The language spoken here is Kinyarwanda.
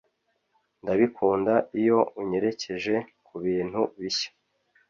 ndabikunda iyo unyerekeje kubintu bishya